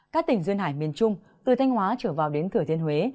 các tỉnh duyên hải miền trung từ thanh hóa trở vào đến thừa thiên huế